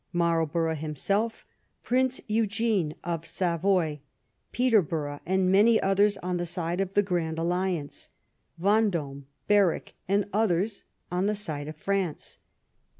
Marl borough himself, Prince Eugene of Savoy, Peterbor ough, and many others on the side of the Grand Alliance; Vendome, Berwick, and others on the side of France.